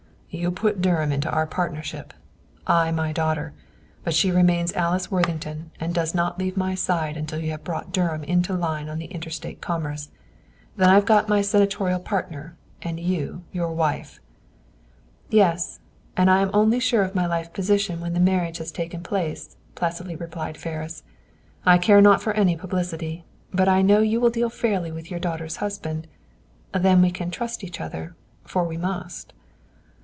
"You put Durham into our partnership; I my daughter; but she remains Alice Worthington, and does not leave my side until you have brought Durham into line on the Inter State Commerce. Then I've got my senatorial partner, and you your wife." "Yes, and I am only sure of my life position when the marriage has taken place," placidly replied Ferris. "I care not for any publicity, but I know you will deal fairly with your daughter's husband. Then we can trust each other, for we must!"